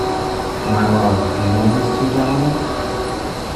My love, you know these two gentlemen?